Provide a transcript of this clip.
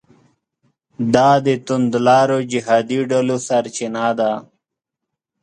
دا د توندلارو جهادي ډلو سرچینه ده.